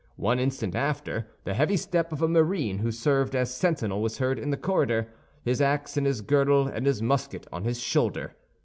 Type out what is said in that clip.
One instant after, the heavy step of a marine who served as sentinel was heard in the corridor—his ax in his girdle and his musket on his shoulder.